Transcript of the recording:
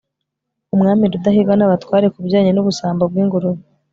umwami rudahigwa n'abatware ku bijyanye n'ubusambo bw'ingurube